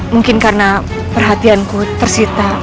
mungkin karena perhatianku tersita